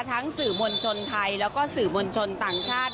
ทั้งสื่อมณชนไทยและสื่อมณชนต่างชาติ